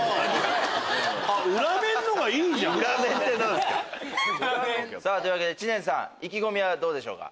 裏面って何すか！というわけで知念さん意気込みはどうでしょうか？